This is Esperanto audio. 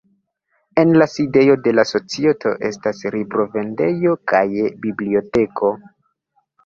En la sidejo de la societo estas librovendejo kaj biblioteko.